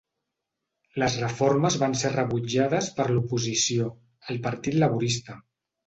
Les reformes van ser rebutjades per l'oposició, el partit laborista.